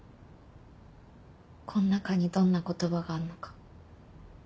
この中にどんな言葉があんのか。